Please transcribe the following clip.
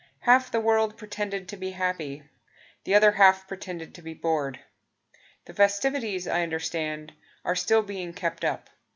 Half the world pretended to be happy, The other half pretended to be bored. The festivities, I understand, Are still being kept up.